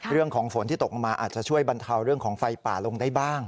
เรื่องของฝนที่ตกลงมาอาจจะช่วยบรรเทาเรื่องของไฟป่าลงได้บ้าง